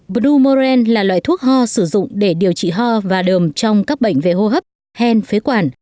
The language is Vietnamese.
brumeren là loại thuốc ho sử dụng để điều trị ho và đờm trong các bệnh về hô hấp hen phế quản